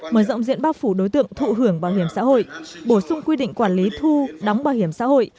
mở rộng diện bao phủ đối tượng thụ hưởng bảo hiểm xã hội bổ sung quy định quản lý thu đóng bảo hiểm xã hội